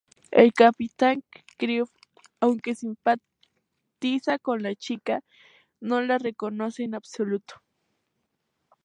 El capitán Crewe, aunque simpatiza con la chica, no la reconoce en absoluto.